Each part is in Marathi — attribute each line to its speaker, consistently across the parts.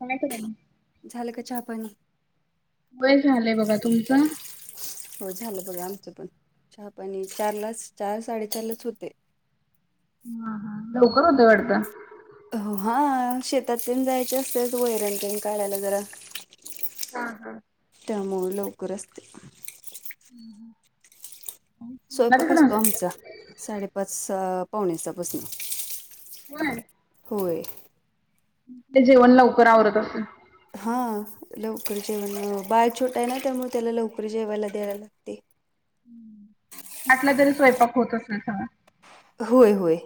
Speaker 1: काय करायला?
Speaker 2: झालं का चहापानी
Speaker 1: वय झालंय बघा तुमचं?
Speaker 2: हो झालं बघा आमचं पण चहापाणी चारलाच चार साडेचार लाच होते.
Speaker 1: हा हा. लवकर होते वाढतं.
Speaker 2: हा शेतात प जायचे असतेच वैरण पन काढायला जरा
Speaker 1: हा हा.
Speaker 2: त्यामुळे लवकर असते.
Speaker 1: हम्.
Speaker 2: स्वयंपाक असतो आमचा? साडेपाच पावण्याच्यापासून
Speaker 1: होय.
Speaker 2: होय.
Speaker 1: ते जेवण लवकर आवरत असल.
Speaker 2: हा लवकर जेवण, बाळ छोटा आहे ना त्यामुळे त्याला लवकर जेवायला द्यायला लागते.
Speaker 1: आठ ला तरी स्वयंपाक होत असेल सगळा.
Speaker 2: होय होय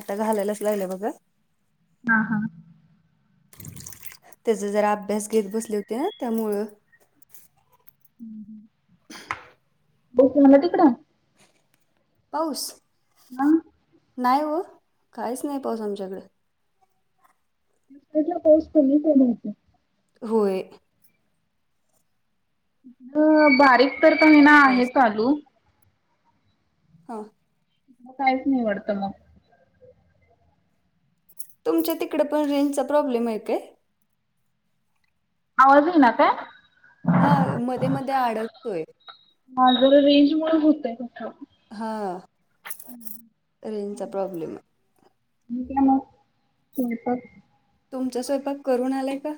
Speaker 2: आता घालायलाच लागले बघा.
Speaker 1: हा हा
Speaker 2: त्याचा जरा अभ्यास घेत बसले होते ना त्यामुळं
Speaker 1: हं बसू ना म तिकडं
Speaker 2: पाऊस
Speaker 1: हा
Speaker 2: नाही हो काहीच नाही पाऊस आमच्याकडे.
Speaker 1: [unintelligible] पाऊस कमी च ये म्हटल
Speaker 2: होय
Speaker 1: बारीक तर होईना आहे
Speaker 2: पाऊस
Speaker 1: चालू
Speaker 2: हां
Speaker 1: मग काहीच नाही आवडतं मग
Speaker 2: तुमच्या तिकडे पण रेंजचा प्रॉब्लेम आहे काय?
Speaker 1: आज येईना काय?
Speaker 2: हा मध्ये मध्ये अडकतोय.
Speaker 1: मा जर रेंज मूळ होतय
Speaker 2: हा रेंजचा प्रॉब्लेम आहे.
Speaker 1: मग
Speaker 2: तुमचा स्वयपा करून आलाय का?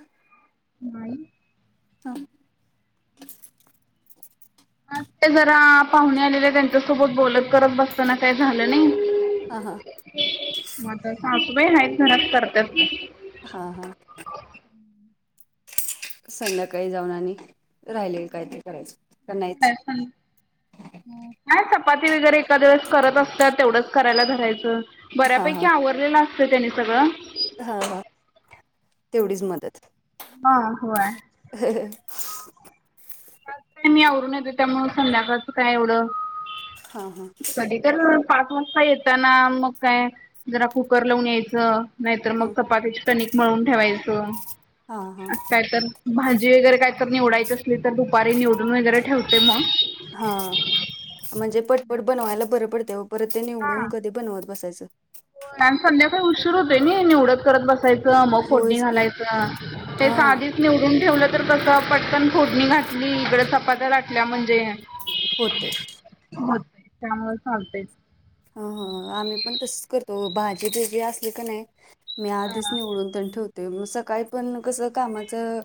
Speaker 1: नाही
Speaker 2: हां
Speaker 1: ते जरा पाहुणे आलेल्या त्यांच्यासोबत बोलत करत बसताना काय झालं नाही.
Speaker 2: हा हां
Speaker 1: म आता सासूबाई आहेत घरात करतात.
Speaker 2: हा हा संध्याकाळी जाऊन आणि राहिले कायतरी करायचं का नाहीच
Speaker 1: काय नाही चपाती वगैरे एका दिवस करत असतात तेवढंच करायला धरायचं
Speaker 2: हा हा
Speaker 1: बऱ्यापैकी आवड केलेलं असतं त्यानी सगळं
Speaker 2: हा हा तेवढीच मदत.
Speaker 1: हा होय
Speaker 2: हाह हे
Speaker 1: मी आवरून येतो त्यामुळं संध्याकाळचं काय एवढं
Speaker 2: हा हा
Speaker 1: कधी तर पाच वाजता येताना मग काय जरा कुकर लावून यायचं. नाहीतर
Speaker 2: हा
Speaker 1: मग चपातीचे कणिक मळून ठेवायचं
Speaker 2: हा हा
Speaker 1: काय तर भाजी वगैरे काय तर निवडायच असली तर दुपारी निवडून वगैरे ठेवते मग
Speaker 2: हा म्हणजे पटपट बनवायला बरं पडते परत ते निवडून
Speaker 1: हा.
Speaker 2: कधी बनवत बसायचं
Speaker 1: आणि संध्याकाळी उशीर होत नाही निवडत करत बसायच मग फोडणी
Speaker 2: होयच की
Speaker 1: घालायचं हे
Speaker 2: हा
Speaker 1: साधी निवडून ठेवलं तर कसं पटकन फोडणी घातली इकडं चपात्या लाटल्या म्हणजे
Speaker 2: होते
Speaker 1: म त्यामुळे सांगते
Speaker 2: ह ह आम्ही पण तसच करतो भाजी वगळी असली का नाही मी आधीच
Speaker 1: हा.
Speaker 2: निवडून पण ठेवते मग सकाळी पण कसं कामाचं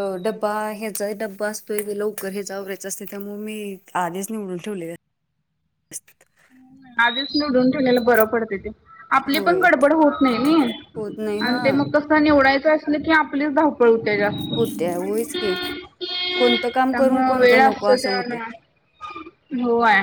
Speaker 2: अ डबा ह्याचा डबा असतोय ते लवकर हे वररायचं असते त्यामुळे मी आधीच निवडून ठेवले स्थित
Speaker 1: आधीच निवडून ठेवयला बरं पडते ते आपली पण
Speaker 2: होय
Speaker 1: गडबड होत नाही
Speaker 2: होत नाही हा
Speaker 1: आणि ते मग कसं निवडायचं असल की आपली ा कळते का
Speaker 2: होत्या होयच की कोणतं काम करून
Speaker 1: त्यामुळं वेळ
Speaker 2: कोणतं नको
Speaker 1: असतो
Speaker 2: असं होते.
Speaker 1: त्यानं होय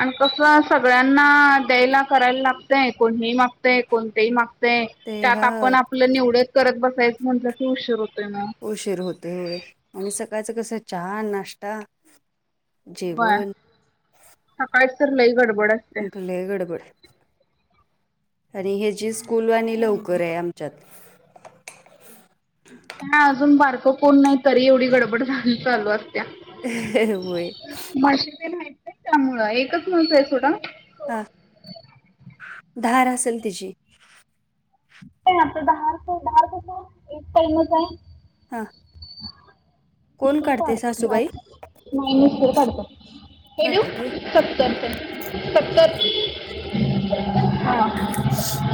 Speaker 1: आणि कस अस सगळ्यांना द्यायला करायला लागतय कोण हे मागतय कोणतेही मागते. ते त्यात आपण आपलं निवडत करत बसायचं म्हटल्या तर हुशार होतोय म
Speaker 2: उशीर होतो हो आणि सकाळचं कसं चहा नाश्ता
Speaker 1: य
Speaker 2: जेवण
Speaker 1: सकाळीच तर लई गडबडत
Speaker 2: ले गडबड आणि हे जे स्कूलवाणी लवकर आहे आम त
Speaker 1: ह अजून बारकं कोण नाही तरी एवढी गडबड झाल चालव
Speaker 2: होय
Speaker 1: भाष ते माहित त्यामुळं एकच माणसा आहे ोटा
Speaker 2: हा धार असेल तिची
Speaker 1: आपलं दार दार कस एक पैमच आहे
Speaker 2: हा कोण काढते
Speaker 1: पाडतो फार
Speaker 2: सासूबाई
Speaker 1: नाहीन पाडतोात ड
Speaker 2: काढतात होय
Speaker 1: सतर सतर हा
Speaker 2: [inaudible]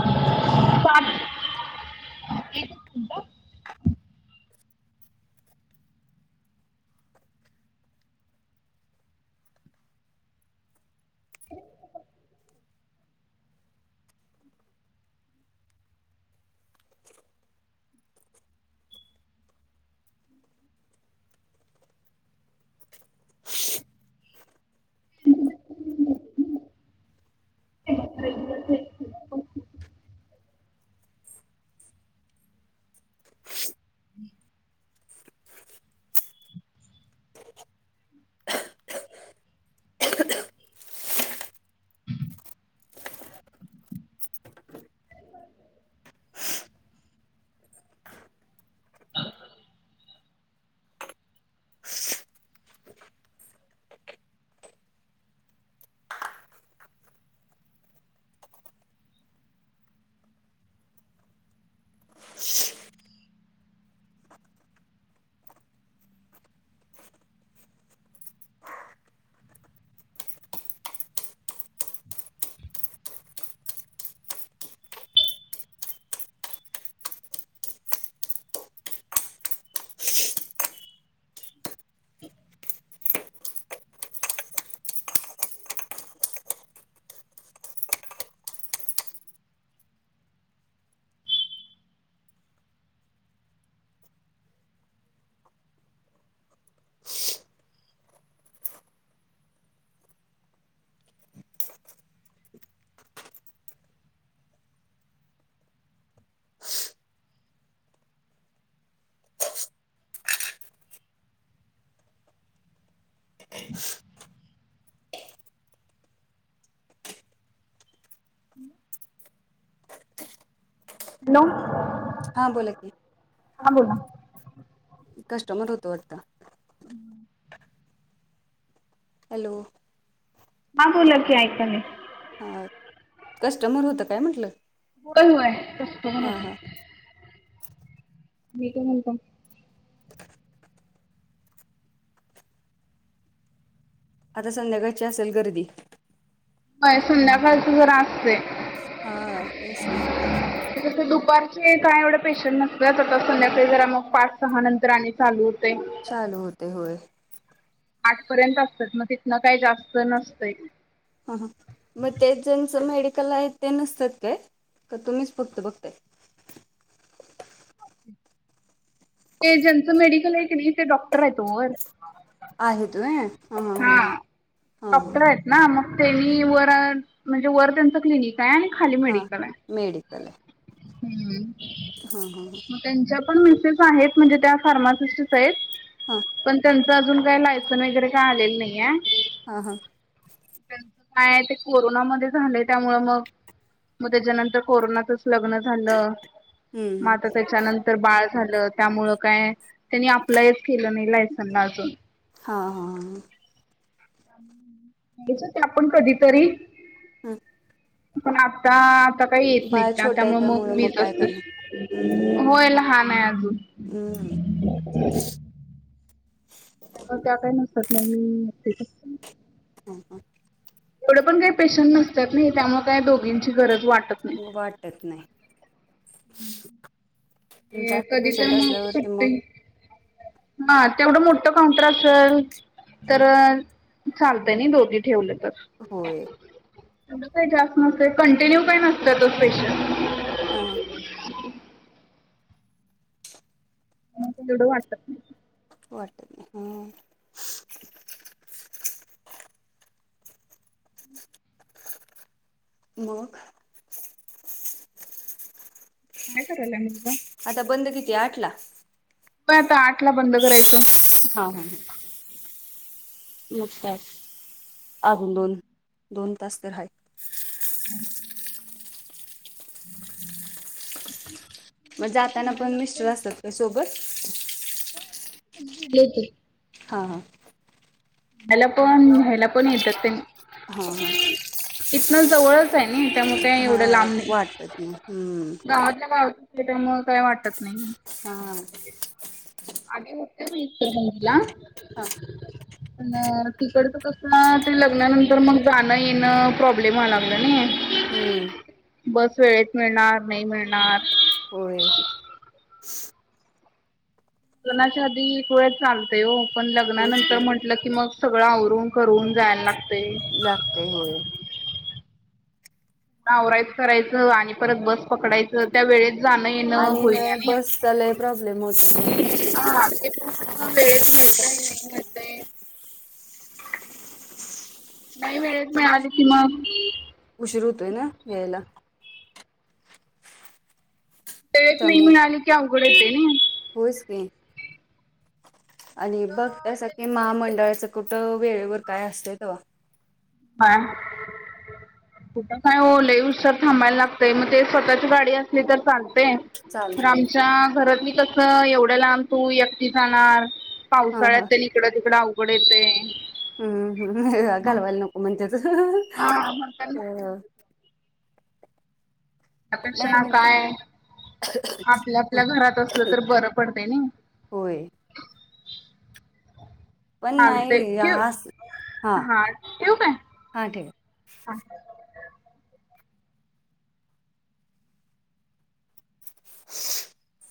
Speaker 1: पाात [inaudible]
Speaker 2: [inaudible] [inaudible]
Speaker 1: ह ह ह हम् हम् हॅलो.
Speaker 2: हा बोला की
Speaker 1: हां बोला.
Speaker 2: कस्टमर होतो आता. हॅलो.
Speaker 1: मा बोल की ऐककाले
Speaker 2: ह कस्टमर होतं काय म्हटलं
Speaker 1: पुड आहे
Speaker 2: हां
Speaker 1: तसतणत
Speaker 2: हां
Speaker 1: मी तर म्हणत
Speaker 2: आता संध्याकाळची असेल गर्दी
Speaker 1: होय संध्याकाळच जरा असते
Speaker 2: तेस का.
Speaker 1: दुपारचे काय एवढं पेशंट नसतच आता संध्याकाळी जरा मग पाच सहा नंतर आणि चालू होते
Speaker 2: चालू होते होय.
Speaker 1: आठपर्यंत असतात मग तिथनं काही जास्त नसतंय
Speaker 2: ह हा मग ते ज्यांचं मेडिकल आहे ते नसतात काय का तुम्हीच फक्त बघताय
Speaker 1: ते ज्यांचं मेडिकल आहे क नाही ते डॉक्टर आहे तो.
Speaker 2: आहे तुय
Speaker 1: हा डॉक्टर आहेत ना मग त्यांनी, वर म्हणजे वर त्यांचं क्लिनिक. आहे आणि खाली
Speaker 2: हां
Speaker 1: मेडिकल आहे हूं.
Speaker 2: हं हं हं!
Speaker 1: त्यांच्या पण मिसेस आहेत, म्हणजे त्या फार्मासिस्ट आहेत
Speaker 2: हां
Speaker 1: पण त्यां अजून काही लायसन वगैरे काय आलेलं नाहीय.
Speaker 2: हां हां!
Speaker 1: आहे ते कोरोनामध्ये झालय त्या मुळ मग, मग त्याच्यानंतर कोरोनाचाच. लग्न झालं म
Speaker 2: हं,
Speaker 1: आतात्याच्यानंत तर बाळ झालं त्यामुळ काय त्यांनी अपलायच केलं नाही लायसनला अजून.
Speaker 2: हां हां हा!
Speaker 1: हम्म [inaudible] घेयच ते आपण कधीतरी.
Speaker 2: हं!
Speaker 1: पण आता आता काही येत नाही
Speaker 2: बाळ
Speaker 1: त्या
Speaker 2: छोटं आहे
Speaker 1: त्यामुळे मग मीच
Speaker 2: काय
Speaker 1: असत.
Speaker 2: करणार हं,
Speaker 1: हो या ल हान आहे अजून
Speaker 2: हं,
Speaker 1: [unintelligible] त्या काही नसतात नाही मीच
Speaker 2: हां हां!
Speaker 1: एवढे पण काही पेशंट नसतात नही त्यामुळे काही दोघींची गरज वाटत नाही.
Speaker 2: वाटत नाही. जास्त
Speaker 1: कधी तर
Speaker 2: पेशंट
Speaker 1: मग
Speaker 2: असल्यावरती म.
Speaker 1: सुट्टी हा तेवढं मोठं कॉन्ट्रॅक्ट चल. तर चालतय नही दो ती ठेवल तर.
Speaker 2: होय!
Speaker 1: एवढं काही जास्त नसतं कंटिन्यू काही नसतातच पेशन्ट.
Speaker 2: हा हा!
Speaker 1: एवढं वाटत नाही.
Speaker 2: वाट हं! मग.
Speaker 1: काय करायला मुगा.
Speaker 2: आता बंद किती आठला.
Speaker 1: पण आता आठ ला बंद करायच.
Speaker 2: हा हा! म्यूट काय अजून दोन, दोन तास तर हाय
Speaker 1: हाय [unintelligible] [inaudible] ह [inaudible]
Speaker 2: मग जाताना पण मिस्टर असतात का सोबत?
Speaker 1: ले ते
Speaker 2: हा हा!
Speaker 1: मला पण हेला पण येतात ते
Speaker 2: हा हा! [unintelligible]
Speaker 1: इथन जवळच आहे नी त्यामुळे
Speaker 2: हा
Speaker 1: काही
Speaker 2: हा
Speaker 1: एवढं लांब नही
Speaker 2: वाटत ना हम्म
Speaker 1: गावातल्या गावात. त्याच्यामुळ काय वाटत नही.
Speaker 2: आ!
Speaker 1: अे ओटे ब इतर बंदला [unintelligible]
Speaker 2: हा!
Speaker 1: न तिकडच कस ते लग्नानंतर मग जाणं येणं प्रॉब्लेम व्हाया लागला नई.
Speaker 2: हूं!
Speaker 1: बस वेळेत मिळणार नही मिळणार
Speaker 2: होय!
Speaker 1: लगनाच्या आधी एक वेळ चालतेय हो पण
Speaker 2: होयच
Speaker 1: लग्नानंतर
Speaker 2: की
Speaker 1: म्हंटलं की मग सगळं आवरून करून जायला लागते.
Speaker 2: लागते होय.
Speaker 1: नावराईत करायचं आणि परत बस पकडायचं त्या वेळेत रजान येन
Speaker 2: आणि
Speaker 1: होई नाही
Speaker 2: बसचा लय प्रॉब्लेम होत
Speaker 1: हा. पण कस वेळेत म्हणताय नाही म्हणताय. नाही मिेळत नाही आली की मग
Speaker 2: उशीर होतोय ना या्यायला
Speaker 1: तेेत नाही
Speaker 2: त्यामुळे
Speaker 1: म्हणाली क अकडे देणे.
Speaker 2: होयच की आणि भक्त
Speaker 1: तर
Speaker 2: सख
Speaker 1: त्यांनी
Speaker 2: महामंडळाचा कुठं वेळेवर काय असतय त
Speaker 1: काय कुठं काय होलय उसर थांबायला लागतय मग ते स्वतःची गाडी असली तर चालतेय. तर
Speaker 2: चालतंय
Speaker 1: आमच्या घरात मी कस एवढ्या लांब तू एकटती जाणार.
Speaker 2: हा
Speaker 1: पावसाळ्यात
Speaker 2: हा
Speaker 1: त्या इकडं तिकडं अवघड येते.
Speaker 2: हम्म घालवायला नको म्हणजच.
Speaker 1: हा.
Speaker 2: नाही
Speaker 1: त्यापेक्षा
Speaker 2: म्हणते
Speaker 1: काय आपल्या
Speaker 2: होय
Speaker 1: आपल्या घरात असलं तर बरं पडते ना.
Speaker 2: होय. पण
Speaker 1: चालतय
Speaker 2: नाही
Speaker 1: ठेव
Speaker 2: हा
Speaker 1: हा ठेव
Speaker 2: हा ठेव
Speaker 1: काय?
Speaker 2: [unintelligible]